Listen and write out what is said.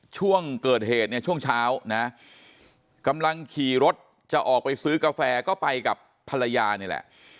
ช่วงเกิดเหตุเนี่ยช่วงเช้านะกำลังขี่รถจะออกไปซื้อกาแฟก็ไปกับภรรยานี่แหละ